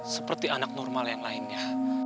seperti anak normal yang lainnya